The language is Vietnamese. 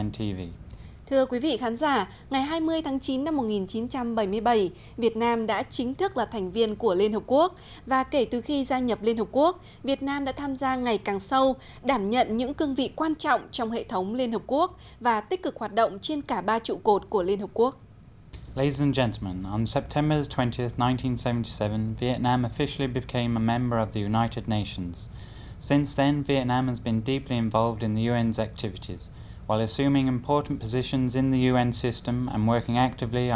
thưa quý vị khán giả ngày hai mươi tháng chín năm một nghìn chín trăm bảy mươi bảy việt nam đã chính thức là thành viên của liên hợp quốc và kể từ khi gia nhập liên hợp quốc việt nam đã tham gia ngày càng sâu đảm nhận những cương vị quan trọng trong hệ thống liên hợp quốc và tích cực hoạt động trên cả ba trụ cột của liên hợp quốc